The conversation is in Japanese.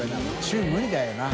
中無理だよな。